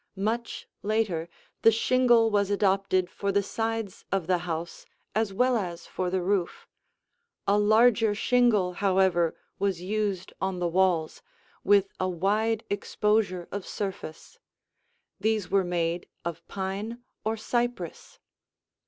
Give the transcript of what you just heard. Much later, the shingle was adopted for the sides of the house as well as for the roof. A larger shingle, however, was used on the walls, with a wide exposure of surface. These were made of pine or cypress.